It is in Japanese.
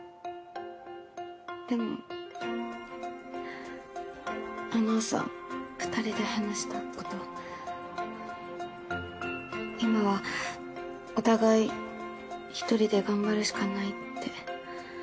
でもあの朝２人で話したこと今はお互い１人で頑張るしかないって。